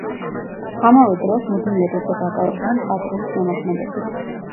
ამავე დროს, მუდმივად იყო დაკავებული მხატვრული შემოქმედებით.